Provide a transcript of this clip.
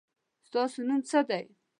ستاسو نوم څه دی؟